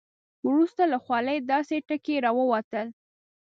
وروسته له خولې داسې ټکي راووتل.